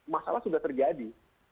masalah sudah terjadi